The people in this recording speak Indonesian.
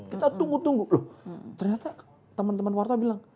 kita tunggu tunggu loh ternyata teman teman warta bilang